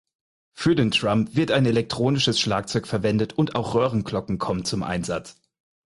Für den Drum wird ein Elektronisches Schlagzeug verwendet und auch Röhrenglocken kommen zum Einsatz.